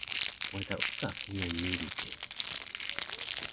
Wada uka kingal miric di